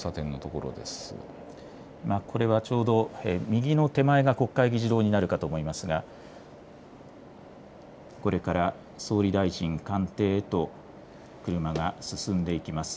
これはちょうど右の手前が国会議事堂になるかと思いますが、これから総理大臣官邸へと車が進んでいきます。